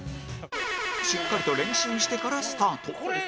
しっかりと練習してからスタート